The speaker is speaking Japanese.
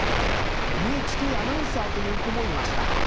ＮＨＫアナウンサーという子もいました。